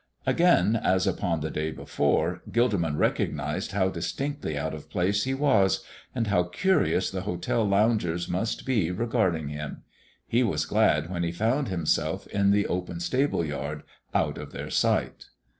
Again, as upon the day before, Gilderman recognized how distinctly out of place he was and how curious the hotel loungers must be regarding him. He was glad when he found himself in the open stable yard out of their sight.